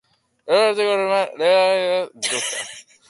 Helburua lortzeko, hormak leihoengatik ordezkatuko dituzte.